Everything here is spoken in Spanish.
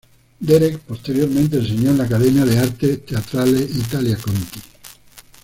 Derek posteriormente enseñó en la Academia de Artes Teatrales Italia Conti.